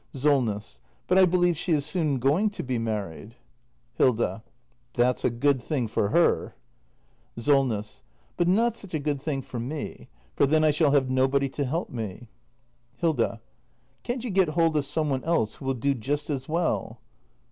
SOLNESS. But I believe she is soon going to be married. Hilda. That's a good thing for her. 294 THE MASTER BUILDER [act i SOLNESS. But not such a good thing for me. For then I shall have nobody to help me. Hilda. Can't you get hold of some one else who will do just as well